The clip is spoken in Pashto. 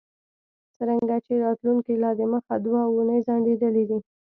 څرنګه چې راتلونکی لا دمخه دوه اونۍ ځنډیدلی دی